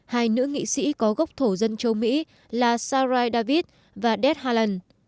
hai nữ nghị sĩ có gốc thổ dân châu mỹ là sarai david và des haaland